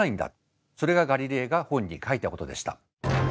それがガリレイが本に書いたことでした。